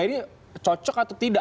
ini cocok atau tidak